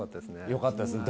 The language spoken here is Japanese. よかったですね